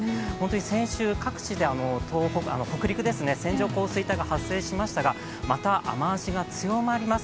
先週、北陸、線状降水帯が発生しましたがまた雨足が強まります。